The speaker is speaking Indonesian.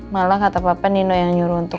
malah kata papa nino yang nyuruh untuk